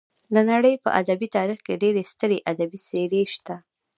د نړۍ په ادبي تاریخ کې ډېرې سترې ادبي څېرې شته.